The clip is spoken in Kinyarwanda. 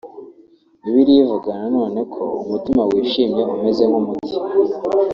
Bibiliya ivuga na none ko umutima wishimye umeze nk’umuti